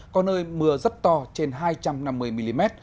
có nơi mưa rất to trên hai trăm năm mươi mm